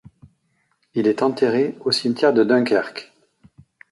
Il est enterré au cimetière de Dunkerque.